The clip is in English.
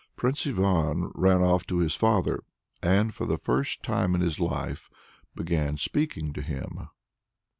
Prince Ivan ran off to his father and, for the first time in his life, began speaking to him.